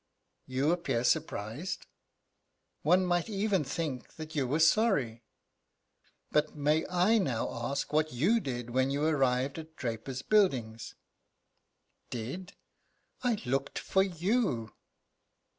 "You appear surprised. One might even think that you were sorry. But may I now ask what you did when you arrived at Draper's Buildings?" "Did! I looked for you!"